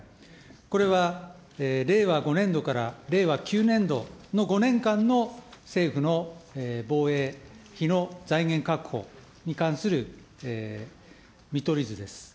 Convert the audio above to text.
これは令和５年度から令和９年度の５年間の政府の防衛費の財源確保に関する見取り図です。